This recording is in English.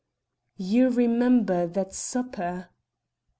"_You remember that supper?